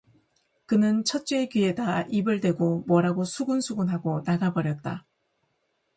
그는 첫째의 귀에다 입을 대고 뭐라고 수군수군하고 나가 버렸다.